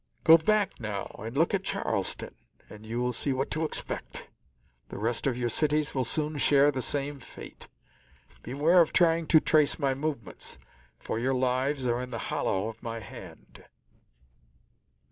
"Go back now and look at Charleston and you will see what to expect. The rest of your cities will soon share the same fate. Beware of trying to trace my movements, for your lives are in the hollow of my hand."